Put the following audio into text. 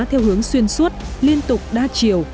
theo hướng xuyên suốt liên tục đa chiều